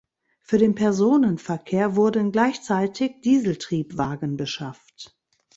Für den Personenverkehr wurden gleichzeitig Dieseltriebwagen beschafft.